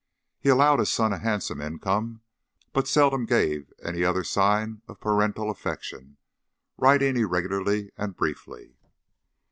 He allowed his son a handsome income, but seldom gave any other sign of parental affection writing irregularly and briefly.